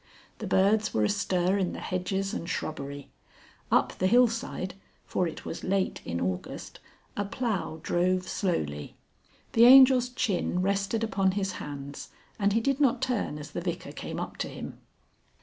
The birds were astir in the hedges and shrubbery. Up the hillside for it was late in August a plough drove slowly. The Angel's chin rested upon his hands and he did not turn as the Vicar came up to him.